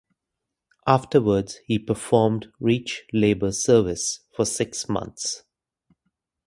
Afterwards he performed Reich Labour Service for six months.